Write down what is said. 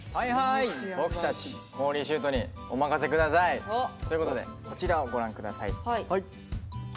僕たちもーりーしゅーとにお任せください！ということでこちらをご覧ください。